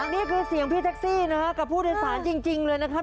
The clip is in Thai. นี่คือเสียงพี่แท็กซี่นะฮะกับผู้โดยสารจริงเลยนะครับ